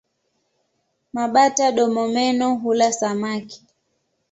Mabata-domomeno hula samaki.